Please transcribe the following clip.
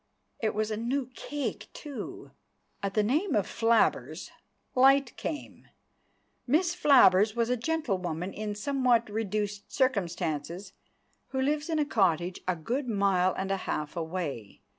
It was a new cake, too!) At the name of Flabbers, light came. Miss Flabbers is a gentlewoman in somewhat reduced circumstances, who lives in a cottage a good mile and a half away.